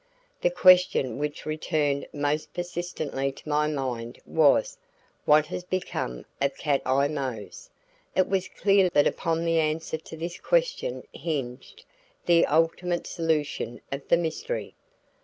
The question which returned most persistently to my mind was "What has become of Cat Eye Mose?" It was clear now that upon the answer to this question hinged the ultimate solution of the mystery.